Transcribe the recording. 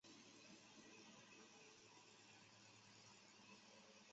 指本单位就业人员在报告期内平均每人所得的工资额。